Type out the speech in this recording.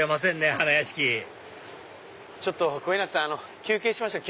花やしきちょっと小日向さん休憩しましょう。